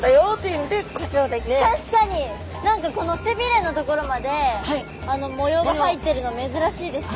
何かこの背びれの所まで模様が入ってるの珍しいですね。